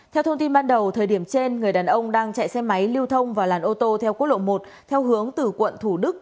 theo thông tin ban đầu thời điểm trên người đàn ông đang chạy xe máy lưu thông vào làn ô tô theo quốc lộ một theo hướng từ quận thủ đức